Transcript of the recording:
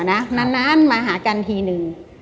นานมาหากันทีนึง